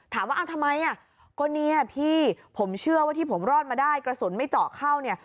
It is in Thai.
ถามว่าเอาทำไมอ่ะก็เนี่ยพี่ผมเชื่อว่าที่ผมรอดมาได้กระสุนไม่เจาะเข้าเนี่ย